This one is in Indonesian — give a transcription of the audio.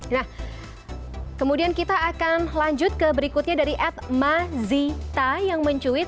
nah kemudian kita akan lanjut ke berikutnya dari ed mazita yang mencuit